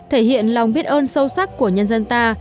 thể hiện lòng biết ơn sâu sắc của nhân dân ta